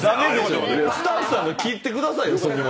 スタッフさんで切ってくださいよ。